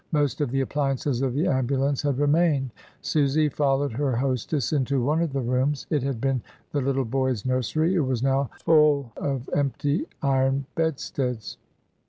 Most of the appliances of the ambulance had remained. Susy followed her hostess into one of the rooms; it had been the little boys' nursery; it was now fiili of empty iron bedsteads.